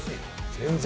全然。